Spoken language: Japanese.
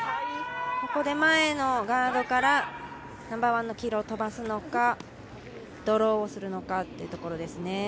ここで前のガードからナンバーワンの黄色を飛ばすのかドローをするのかというところですね。